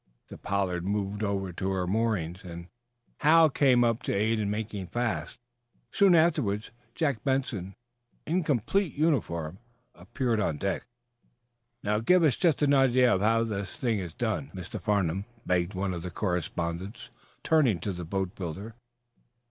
The "Pollard" moved over to her moorings, and Hal came up to aid in making fast. Soon afterward, Jack Benson, in complete uniform, appeared on deck. "Now, give us just an idea of how the thing is done, Mr. Farnum," begged one of the correspondents, turning to the boatbuilder.